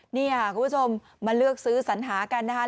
นี่ค่ะคุณผู้ชมมาเลือกซื้อสัญหากันนะคะ